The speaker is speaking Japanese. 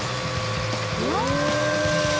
うわ！